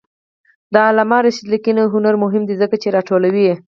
د علامه رشاد لیکنی هنر مهم دی ځکه چې راټولوي.